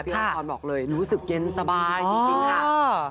อำพรบอกเลยรู้สึกเย็นสบายจริงค่ะ